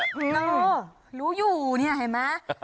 โอ้โฮรู้อยู่นี่เห็นไหม